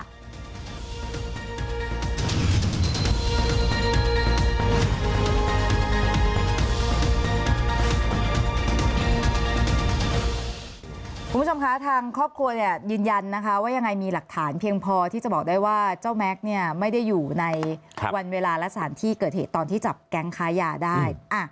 คุณผู้ชมคะทางครอบครัวเนี่ยยืนยันนะคะว่ายังไงมีหลักฐานเพียงพอที่จะบอกได้ว่าเจ้าแม็กซ์เนี่ยไม่ได้อยู่ในวันเวลาและสถานที่เกิดเหตุตอนที่จับแก๊งค้ายาได้